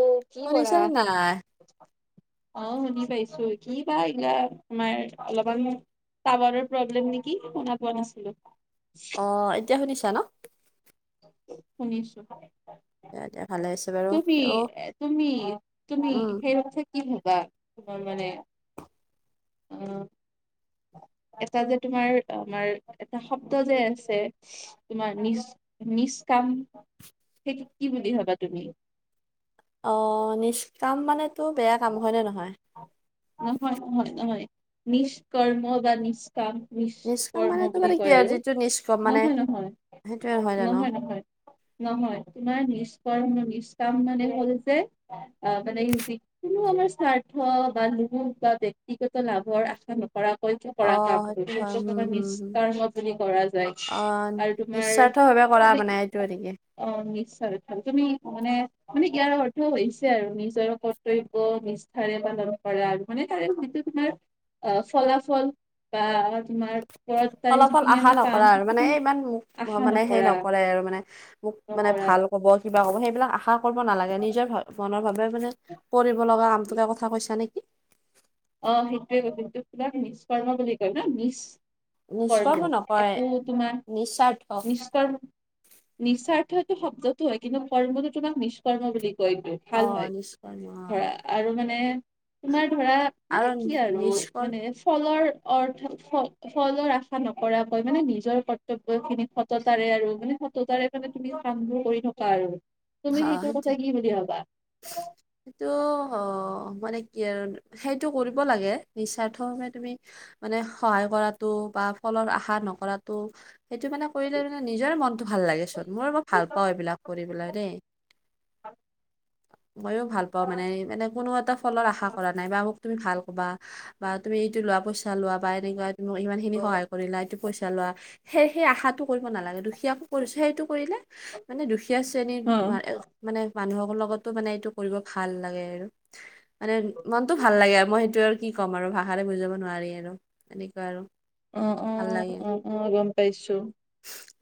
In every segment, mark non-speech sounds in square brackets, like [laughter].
উম, কি কৰা? শুনিছানে [inaudible] অ, শুনি পাইছো কিবা এইবা তোমাৰ অলপমান টাৱাৰৰ প্ৰব্লেম নেকি শুনা পোৱা নাছিলোঁ। অ, এতিয়া শুনিছা ন? শুনিছোঁ। দিয়া দিয়া ভালে হৈছে বাৰু। তুমি, অ' তুমি, তুমি, উম। হেল্থ কি ভাবা তোমাৰ মানে অঁ। এটা যে তোমাৰ আমাৰ এটা শব্দ যে আছে। তোমাৰ নিষ্কাম নিষ্কাম কাম সেই কি বুলি ভাবা তুমি? অ, নিষ্কাম মানে তো বেয়া কাম হয়নে নহয়। অ, নহয় নহয় নহয় নিষ্কৰ্ম বা নিচ কাম নিষ্কাম নিষ্কৰ্ম মানেতো বুলি মানে কি কয় আৰু যিটো নিষ্কম মানে নহয়, নহয়, সেইটোৱে জানো? নহয়, নহয়। নহয় তোমাৰ নিস্কৰ্ম নিস্ক কাম মানে হ'ল যে অ, মানে যিকোনো আমাৰ স্বাৰ্থ বা ল লোভ বা ব্যক্তিগত লাভৰ আশা নকৰাকৈ সৈতে অ' কৰা কাম সেইটো হয়। হুম হুম হুম। নিষ্কৰ্মা বুলি কৰা যায় আৰু তোমাৰ নিস্বাৰ্থ ভাৱে কৰা মানে এইটো নেকি? অ, নিস্বাৰ্থ ভাল তুমি মানে মানে ইয়াৰ অৰ্থ হৈছে আৰু নিজৰ কৰ্তব্য নিষ্ঠাৰে পালন কৰা আৰু। মানে তাৰে যিটো তোমাৰ অ, ফলাফল বা তোমাৰ ওপৰত তাৰে ফলাফল যিখিনি আশা আমি নকৰা পাম আৰু মানে সেইখিনি ইমান মোক আশা মানে সেই নকৰা নকৰে আৰু মানে মোক মানে নকৰা ভাল হ'ব কিবা হ'ব সেইবিলাক আশা কৰিব নালাগে নিজৰ মনৰ ভাৱেই মানে কৰিব লগা কামটোকে কথা কৈছা নেকি? অ, সেইটোৱেই কি কিবা নিস্ককৰ্ম বুলি কয় ন নিছ। নিষ্কৰ্ম কৰ্ম নকয় একো তোমাৰ নিস্বাৰ্থ। নিষ্কৰ্ম নিস্বাৰ্থটো শব্দতো হয় কিন্তু কৰ্মটো তোমাক নিষ্কৰ্ম বুলি কয়তো। অ ভাল হয় নিষ্কৰ্ম অ ধৰা আৰু মানে তোমাৰ ধৰা আৰু মানে কি আৰু নিষ্কৰ্ম মানে ফলৰ অৰ্থ ফলৰ আশা নকৰাকৈ মানে নিজৰ কৰ্তব্য খিন সতাৰে আৰু মানে সত্ততাৰে মানে তুমি কামবোৰ কৰি থকা আৰু। তুমি হা সেইটোৰ কথা সেইটোৱেই। কি বুলি ভাবা সেইটো অ মানে কি আৰু সেইটো কৰিব লাগে নিস্বাৰ্থ ভাৱে তুমি। মানে সহায় কৰাতটো বা ফলৰ আশা নকৰাটো। সেইটো মানে কৰিলে মানে নিজৰে মনটো ভাল লাগে চোন মোৰ বৰ ভাল পাওঁ এইবিলাক কৰি পেলাই। দেই মইয়ো ভাল পাওঁ মানে মানে কোনো এটা ফলৰ আশা কৰা নাই বা তুমি ভাল ক'বা বা তুমি এইটো লোৱা পইচা চা লোৱা বা এনেকুৱা ইমান খিনি সহায় কৰিলা এইটো পইচা লোৱা। সেই সেই আশাটো কৰিব নালাগে। দুখীয়াকো কৰিছে সেইটো কৰিলে মানে দুখীয়া, দুখীয়া শ্ৰেণীৰ অ মানে মানুহৰ লগতো মানে এইটো কৰিব ভাল লাগে আৰু মানে মনতটো ভাল লাগে আৰু মই সেইটো আৰু কি ক'ম আৰু ভাষাৰে বুজাব নোৱাৰি আৰু তেনেকুৱা আৰু অ অ ভাল লাগে। অ অ গম পাইছো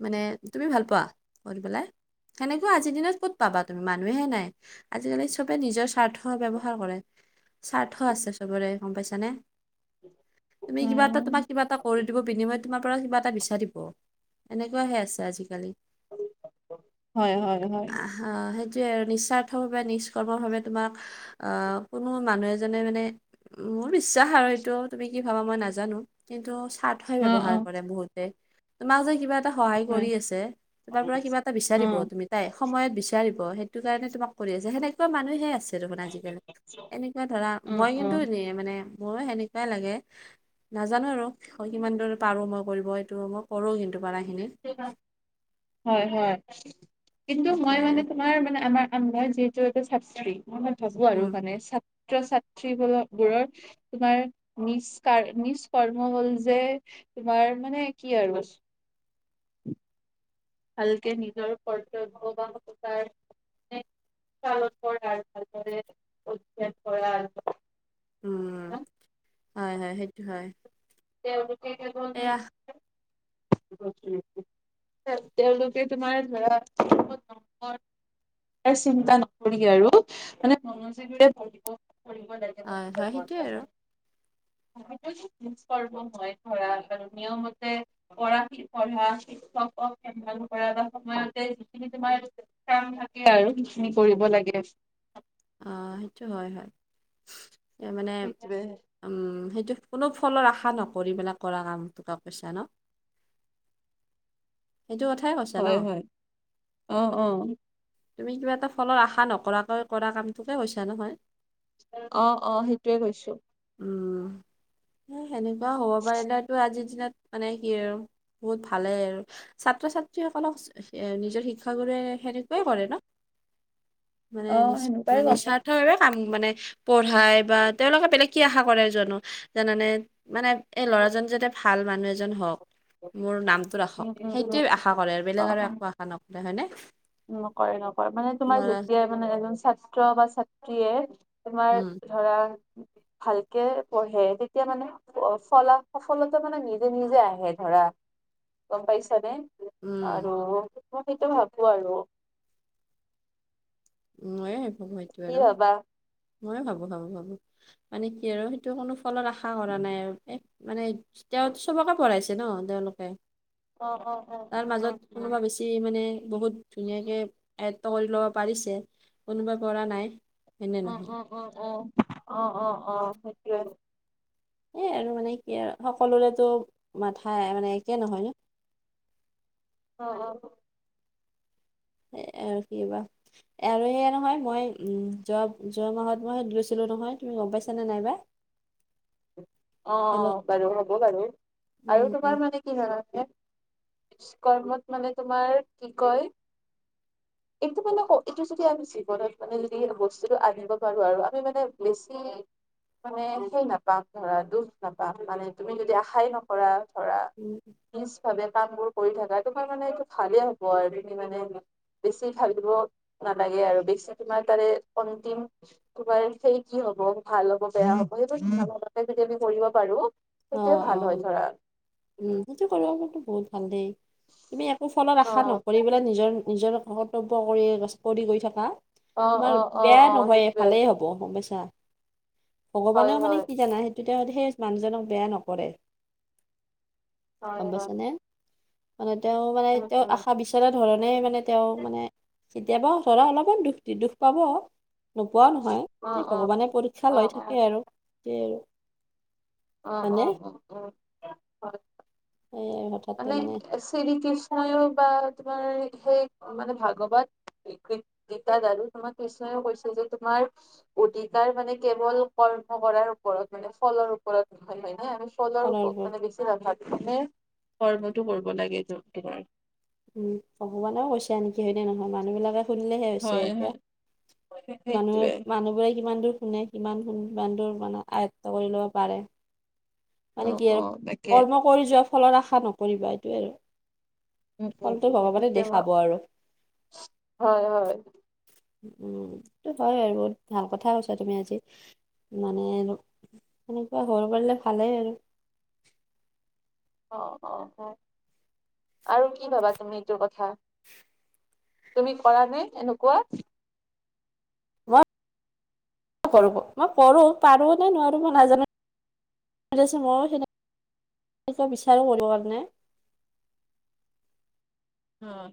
মানে তুমি ভাল পোৱা শুনি পেলাই সেনেকুৱা আজি আজিদিনত ক'ত পাবা তুমি মানুহে নাই। আজিকালি চবে নিজৰ স্বাৰ্থ ব্যৱহাৰ কৰে। স্বাৰ্থ আছে চবৰে গ'ম পাইছানে? তুমি কিবা এটা উম তোমাক কিবা এটা কৰি দিব বিনিময়ত। তোমাৰ পৰা কিবা এটা বিচাৰিব। এনেকুৱাহে আছে আজিকালি। হয়, হয়, হয়। বা সেইটোৱে আৰু নিস্বাৰ্থভাৱে নিষ্ককৰ্মভাৱে তোমাক। অ' কোনো মানুহ এজনে মানে। মোৰ বিশ্বাস আৰু এইটো তুমি কি ভাবা মই নাজানোঁ। কিন্তু স্বাৰ্থ স্বাৰ্থ অ অ ব্যৱহাৰ কৰে বহুতে তোমাক যে কিবা সহায় হয় কৰি আছে। তোমাৰ পৰা কিবা এটা অ বিচাৰিব তুমি তাই সময়ত বিচাৰিব। সেইটো কাৰণে তোমাক কৰি আছে। সেনেকুৱা মানুহে আছে। সেইটো কথা আজিকালি এনেকুৱা ধৰা অ মই অ কিন্তু এ মানে মোৰো সেনেকুৱাই লাগে। নাজানোঁ আৰু কিমান দূৰ কৰিব পাৰোঁ। মই কৰিব এইটো মই কৰোঁ। কিন্তু পাৰাখিনি। হয়, হয়। কিন্তু মই সেইটোৱে মানে আৰু। আমাৰ মানে আমাৰ মই আমাৰ যিহেতু এটা চাবচিটি মই মই ভাবোঁ আৰু উম মানে চাব। ছাত্ৰ ছাত্ৰী বোলে বোৰৰ তোমাৰ নিজ ক নিজ কৰ্ম ফল যে তোমাৰ মানে কি আৰু ভালকে নিজৰ কৰ্তব্য বা ব্যৱহাৰ। [unintelligible] অজ্ঞাত কৰাৰ উম, হয়, হয় সেইটো হয়। তেওঁলোক এইয়াহ তেওঁলোকোকে তোমাৰ ধৰা। নম্বৰ চিন্তা নকৰি আৰু মানে মনোযোগেৰে ধৰিব। কৰিব তেনেকে হয় হয় [unintelligible] [inaudible] সত্য যোগ স্পৰ্শ হয়। নিয়মতে, পঢ়া শ পঢ়া শিক্ষক সেই কৰা এই সময়তে যিখিনি তোমাৰ। কাম থাকে আৰু সেইখিনি কৰিব লাগে। আহ সেইটো হয়, হয়, তাৰমানে সেইটোৱে উম, সেইটো কোনো ফলৰ আশা নকৰি পেলাই কৰা কাম টকা পইচা ন। সেইটো কথাই কৈছা ন। হয় হয় অ', অ'। তুমি কিবা এটা ফলৰ আশা নকৰাকৈ কৰা কামটো কে কৈছা নহয়। অ' অ' সেইটোয়ে কৈছোঁ। উম, সেনেকুৱা হ'ব পাৰিলে তোৰ আজিৰ দিনত মানে কি আৰু বহুত ভালেই আৰু ছাত্ৰ ছাত্ৰীসকলক নিজৰ শিক্ষাগুৰুৰে সেনেকুৱাই কৰে ন অ' নিচ সেইনো মানে নিস্বাৰ্থ ভাৱে কাম মানে পঢ়ায় বা তেওঁলোকে বেলেগ কি আশা কৰে জানোঁ জানানে মানে এই ল'ৰাজন যাতে ভাল মানুহ এজন হওঁক। মোৰ নামটো ৰাখক উম, উম, উম, সেইটোৱে আশা কৰে আৰু বেলেগ অ', আৰু অ'। একো আশা নকৰে হয়নে? নকৰে নকৰে মানে তোমাৰ ল'ৰা যেতিয়াই মানে এজন ছাত্ৰ বা ছাত্ৰীয়ে তোমাৰ, উম ধৰা ভালকে পঢ়ে তেতিয়া মানে, ফলা সফলতা মানে নিজে নিজে আহে ধৰা গম পাইছা নে? উম আৰু মই সেইটো ভাবো আৰু মোয়ে ভাবো সেইটো কি আৰু ভাবা? মোয়ে ভাবো ভাবো ভাবো মানে কি আৰু সেইটো কোনো ফলত আশা কৰা নাই আৰু এক মানে তেওঁ চবকে পঢ়াইছে ন তেওঁলোকে অ অ অ তাৰ অ অ মাজত উ কোনোবা বেছি মানে বহুত ধুনীয়াকে আয়ত্ব কৰি ল'ব পাৰিছে। কোনোবাই কৰা নাই। হয়নে উ নহয় উম উম উ অ অ অ সেইটোয়ে আৰু এই আৰু মানে কি আৰু সকলোৰেতো মাথা মানে একে নহয় ন অ অ আৰু কি বা আৰু এইয়া নহয় মই যোৱা যোৱা মাহত মই গৈছিলোঁ নহয় তুমি গম পাইছা নে নাইবা? [unintelligible] অ হেল্ল' বাৰু হ'ব বাৰু আৰু উম উম তোমাৰ মানে কি হয়ে বিশ কৰ্মত মানে তোমাৰ কি কয় [unintelligible] এইটো মানে এইটো যদি আমি জীৱনত মানে যদি বস্তুটো আনিব পাৰো আৰু আমি মানে বেছি মানে সেই নাপাম ধৰা দুখ নাপাম মানে তুমি যদি আশাই নকৰা ধৰা ওম নিজ ভাবে কাম বোৰ কৰি থাকা তোমাৰ মানে এইটো ভালে হ'ব আৰু তুমি মানে বেছি ভাব দিব নালাগে আৰু বেছি তোমাৰ তাৰে অন্তিম তোমাৰ সেই কি হব ভাল হব বেয়া হব সেইটো যদি আমি কৰিব পাৰো অ সেইটোয়ে অ ভাল হয় ধৰা। উম সেইটো কৰিবতো বহুত ভাল দেই তুমি একো ফলত অ আশা নকৰিব নিজৰ নিজৰ কৰ্তব্য কৰি কৰি কৰি থকা অ অ তোমাৰ অ বেয়া অ নহয় সেইটোৱে ভালেই হ'ব। হয় ভগৱানেও মানে হয় কি জানা সেইটোতে সেই মানুহজনক বেয়া নকৰে হয় গম হয় পাইছানে? মানে তেওঁ মানে উম তেওঁ উম আশা বিশ তেনে ধৰণে মানে তেওঁ মানে কেতিয়াবা ধৰা অলপমান দুখ দি দুখ পাব। নোপোৱাও নহয় অ সে অ ভগৱানে পৰীক্ষা অ লৈ অ থাকে আৰু সেই আৰু অ অ হয়নে অ অ হয় সেয়ে কথা মানে শ্ৰীকৃষ্ণইও বা তোমাৰ সেই মানে ভাগৱত গীতা দাদু তোমাক কৃষ্ণাওকৈছে যে তোমাৰ অধিকাৰ মানে কেৱল কৰ্ম কৰাৰ ওপৰত মানে ফলৰ ওপৰত নহয় হয় ন আমি ফলৰ ওপৰত মানে বেছি অভাৱ মানে কৰ্মটো কৰিব লাগে তোমাৰ উম ভগৱানেও কৈছে নেকি হয়নে নহয় মানুহবিলাকে শুনিলেহে হৈছে হয় এতিয়া হয় মানুহে সেইটোৱে মানুহ বোৰে কিমান দূৰ শুনে কিমান ইমান দূৰ মানে আয়ত্ব কৰি ল'ব পাৰে। অ মানে কি অ আৰু তাকে কৰ্ম কৰি যোৱা ফলৰ আশা নকৰিবা এইটোয়ে উম আৰু উম ফলটো উম ভগৱানে সেইটোৱে মই দেখাব আৰু। হয় হয় উম, ইটো হয় আৰু বহুত ভাল কথা কৈছা তুমি আজি। মানে আৰু এনেকুৱা হব পাৰিলে ভালেই আৰু। অ' অ' অ' হয়, আৰু কি ভাবা তুমি এইটো কথা? তুমি কৰা নে এনেকুৱা? মই কৰো প মই কৰো, পাৰো নে নোৱাৰো মই নাজানো। মইও সেনে কে বিচাৰো কৰিব কাৰনে। অ',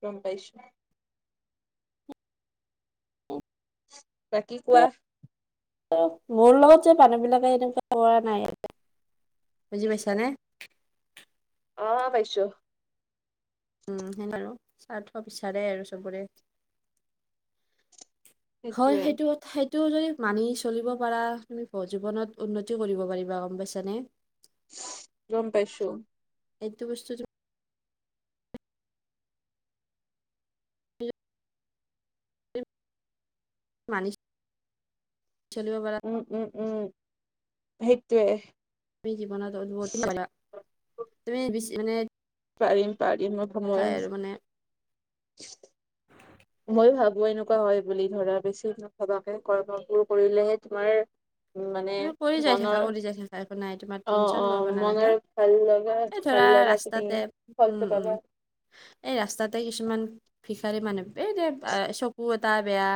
গম পাইছোঁ। বাকি কোৱা। অ', মোৰ লগত যে মানুহ বিলাকে এনেকুৱা কৰা নাই, বুজি পাইছানে? অ', পাইছোঁ। উম, সেয়ে আৰু স্বাৰ্থ বিচাৰে আৰু চবৰে। হয় সেইটোৱে সেইটোত- সেইটো যদি মানি চলিব পাৰা তুমি জীৱনত উন্নতি কৰিব পাৰিবা গম পাইছানে। গম পাইছোঁ। এইটো বস্তুটো- মানি [unintelligible] চলিব পাৰা উম উম উম সেইটোৱে। তুমি জীৱনত অদ্ভুত পালা, তুমি বেছি মানে- পাৰিম- পাৰিম অলপ সময় আৰু মানে হৈছে। [inaudible] মইও ভাবো এনেকুৱা হয় বুলি ধৰা, বেছি নাভাবাকে কৰ্মবোৰ কৰিলেহে তোমাৰ উম মানে তুমি কৰি যাই থাকা মনৰ কৰি যাই থাকা একো নাই তোমাৰ অ' টেনচন ল'ব অ' নালাগে মনৰ, ভাল লগা এই ধৰা -ভাল লগা তুমি ৰাস্তাতে উম ফলটো উম পাবা। এই ৰাস্তাতে কিছুমান- ভিখাৰী মানুহ এই দে চকু এটা বেয়া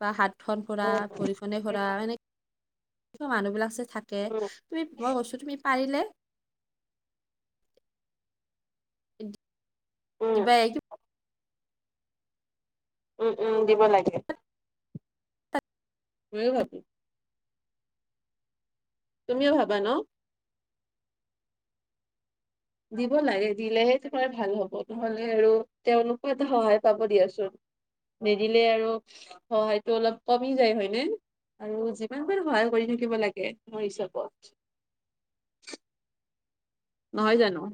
বা হাত হাতখন খোৰা উম ভৰিখনে খোৰা উম এনেক - ত' মানুহবিলাক যে থাকে, উম তুমি মই কৈছোঁ তুমি পাৰিলে দি উম দিবাই এইটো। উম- উম দিব লাগে। মইয়ো ভাবো। তুমিও ভাবা ন? দিব লাগে, দিলেহে তোমাৰ ভাল হ'ব নহলে আৰু তেওঁলোকো এটা সহায় পাব দিয়াচোন। নিদিলে আৰু সহায়টো অলপ কমি যায় হয়নে? আৰু যিমান পাৰো সহায় কৰি থাকিব লাগে মোৰ হিচাপত। নহয় জানো?